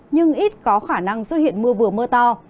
nhưng ít có khả năng xuất hiện mưa vừa mưa to